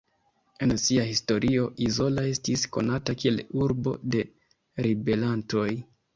En sia historio Izola estis konata kiel urbo de ribelantoj.